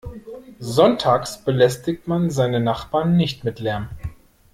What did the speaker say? Sonntags belästigt man seine Nachbarn nicht mit Lärm.